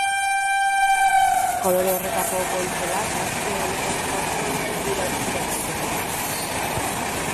Kolore horretako kontsolak aste honetatik aurrera izango dira eskura saltokietan.